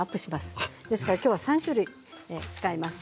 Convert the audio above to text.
ですから今日は３種類使います。